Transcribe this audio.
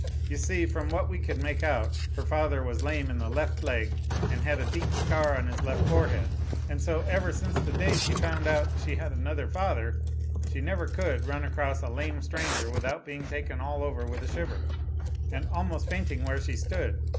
You see, from what we could make out her father was lame in the left leg and had a deep scar on his left forehead. And so ever since the day she found out she had another father, she never could run across a lame stranger without being taken all over with a shiver, and almost fainting where she stood.